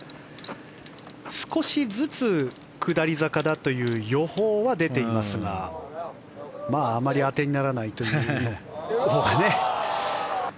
少しずつ下り坂だという予報は出ていますがあまり当てにならないというか。